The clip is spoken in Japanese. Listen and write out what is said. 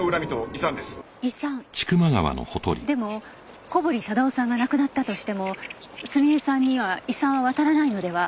遺産？でも小堀忠夫さんが亡くなったとしても澄江さんには遺産は渡らないのでは。